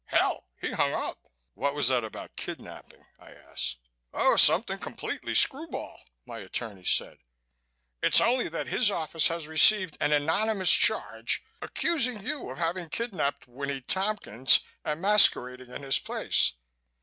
"Hell, he hung up!" "What was that about kidnapping?" I asked. "Oh, something completely screw ball," my attorney said. "It's only that his office has received an anonymous charge accusing you of having kidnapped Winnie Tompkins and masquerading in his place.